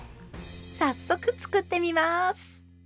早速作ってみます。